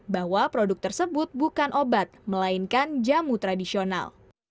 bahwa produk tersebut bukan obat melainkan jamu tradisional